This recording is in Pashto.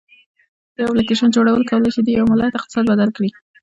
د یو اپلیکیشن جوړول کولی شي د یو ملت اقتصاد بدل کړي.